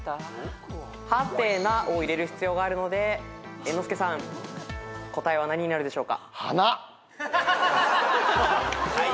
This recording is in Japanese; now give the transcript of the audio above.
「ハテナ」を入れる必要があるので猿之助さん答えは何になるでしょうか？